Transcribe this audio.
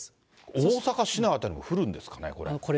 大阪市内の辺りも降るんですかね、これは。